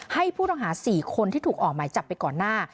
ให้ผู้ต้องหา๔คนที่ถูกออกหมายจับไปก่อนหน้า